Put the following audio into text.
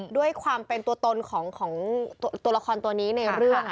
ด้วยความเป็นตัวตนของตัวละครตัวนี้ในเรื่อง